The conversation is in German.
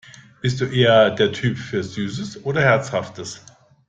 Bist du eher der Typ für Süßes oder Herzhaftes?